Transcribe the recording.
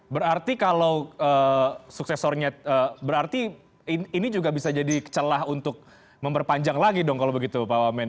berarti kalau suksesornya berarti ini juga bisa jadi celah untuk memperpanjang lagi dong kalau begitu pak wamen